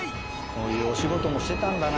こういうお仕事もしてたんだな。